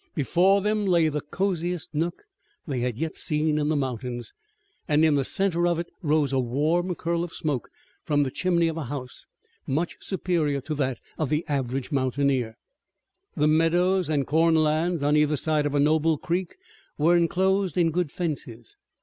Before them lay the coziest nook they had yet seen in the mountains, and in the center of it rose a warm curl of smoke from the chimney of a house, much superior to that of the average mountaineer. The meadows and corn lands on either side of a noble creek were enclosed in good fences.